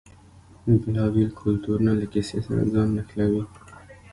بیلابیل کلتورونه له کیسې سره ځان نښلوي.